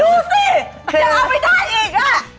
เอาไปได้อีกอะ